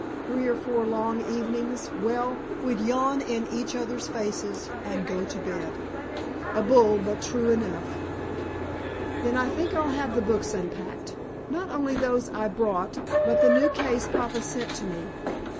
Three or four long evenings well, we'd yawn in each other's faces and go to bed. A bull but true enough." "Then I think I'll have the books unpacked, not only those I brought, but the new case papa sent to me.